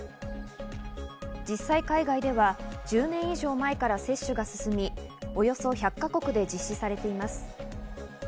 実際、海外では１０年以上前から接種が進み、およそ１００か国で実施されています。